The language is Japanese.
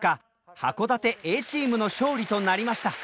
函館Ａチームの勝利となりました。